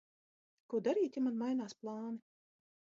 Ko darīt, ja man mainās plāni?